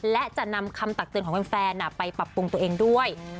และจะนำคำตักเตือนของแฟนไปปรับปรุงตัวเองด้วย